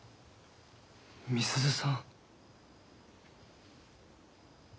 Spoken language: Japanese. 美鈴さん。